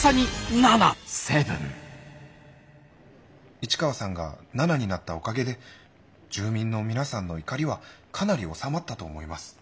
市川さんが７になったおかげで住民の皆さんの怒りはかなり収まったと思います。